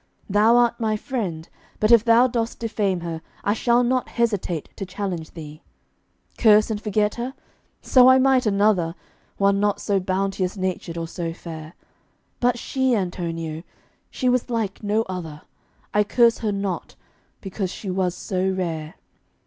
Thou art my friend, but if thou dost defame her I shall not hesitate to challenge thee. "Curse and forget her?" So I might another, One not so bounteous natured or so fair; But she, Antonio, she was like no other I curse her not, because she was so rare.